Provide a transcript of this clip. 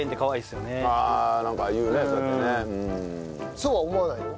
そうは思わないの？